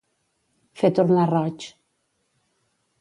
Fer tornar roig.